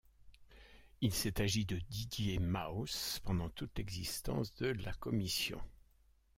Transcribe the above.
Il s'est agi de Didier Maus pendant toute l'existence de la commission.